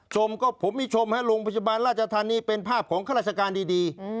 ชมก็ผมมีชมฮะโรงพยาบาลราชธานีเป็นภาพของข้าราชการดี